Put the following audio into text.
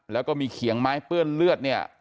แล้วก็มีเขียงไม้เปื้อนเลือดเนี่ย